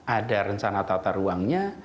ada rencana tata ruangnya